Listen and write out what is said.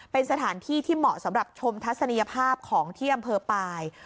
เป็นสถานที่ที่เหมาะสำหรับชมทัศนียภาพของที่อำเภอปลาย